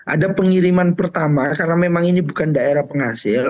ada pengiriman pertama karena memang ini bukan daerah penghasil